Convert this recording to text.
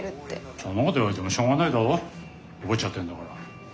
そんなこと言われてもしょうがないだろ覚えちゃってんだから。